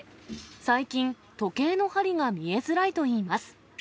最近、時計の針が見えづらいといいます。